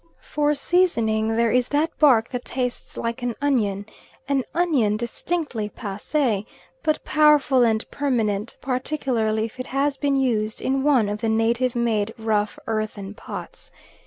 For seasoning there is that bark that tastes like an onion, an onion distinctly passe, but powerful and permanent, particularly if it has been used in one of the native made, rough earthen pots.